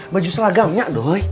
baju seragamnya doi